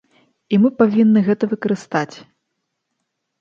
І мы павінны гэта выкарыстаць.